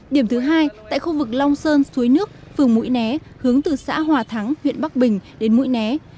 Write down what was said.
điểm thứ hai tại khu vực long sơn suối nước phường mũi né hướng từ xã hòa thắng huyện bắc bình đến mũi né